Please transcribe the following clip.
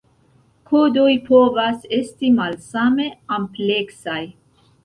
Kodoj povas esti malsame ampleksaj.